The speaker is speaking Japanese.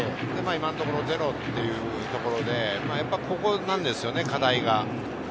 今のところゼロというところでここなんですよね課題が。